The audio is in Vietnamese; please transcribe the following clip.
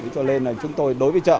cho nên là chúng tôi đối với chợ